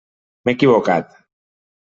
M'he equivocat.